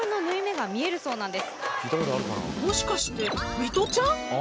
もしかしてミトちゃん？